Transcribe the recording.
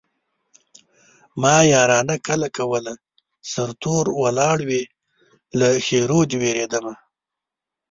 ما يارانه کله کوله سرتور ولاړ وې له ښېرو دې وېرېدمه